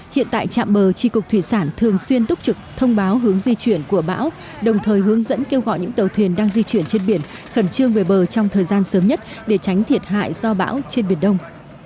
hiện tại trạm bờ tri cục thủy sản thường xuyên túc trực thông báo hướng di chuyển của bão đồng thời hướng dẫn kêu gọi những tàu thuyền đang di chuyển trên biển khẩn trương về bờ trong thời gian sớm nhất để tránh thiệt hại do bão trên biển đông